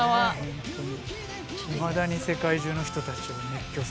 本当に。